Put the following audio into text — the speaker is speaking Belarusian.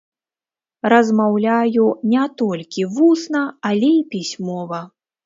Размаўляю не толькі вусна, але і пісьмова.